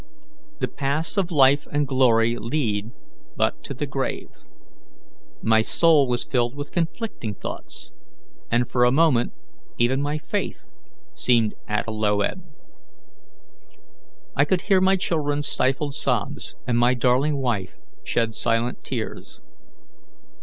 The paths of life and glory lead but to the grave.' My soul was filled with conflicting thoughts, and for a moment even my faith seemed at a low ebb. I could hear my children's stifled sobs, and my darling wife shed silent tears.